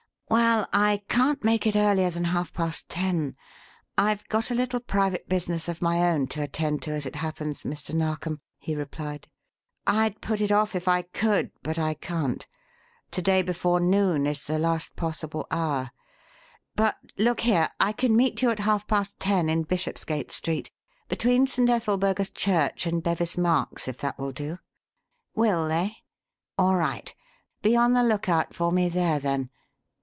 "Well, I can't make it earlier than half past ten. I've got a little private business of my own to attend to, as it happens, Mr. Narkom," he replied. "I'd put it off if I could, but I can't. To day before noon is the last possible hour. But look here! I can meet you at half past ten in Bishopsgate Street, between St. Ethelburga's Church and Bevis Narks, if that will do. Will, eh? All right. Be on the lookout for me there, then.